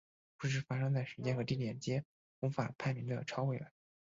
故事发生在时间和地点皆无法判明的超未来。